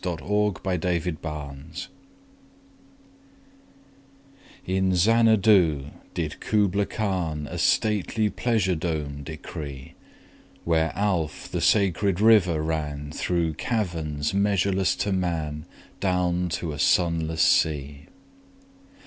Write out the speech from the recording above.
Kubla Khan IN Xanadu did Kubla Khan A stately pleasure dome decree: Where Alph, the sacred river, ran Through caverns measureless to man Down to a sunless sea.